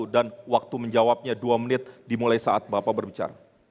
dan waktu menjawabnya dua menit dimulai saat bapak berbicara